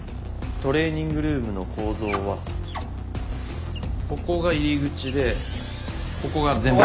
トレーニングルームの構造はここが入り口でここが全面窓。